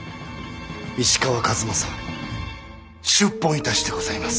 石川数正出奔いたしてございます。